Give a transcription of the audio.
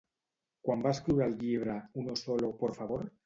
Quan va escriure el llibre Uno solo, por favor?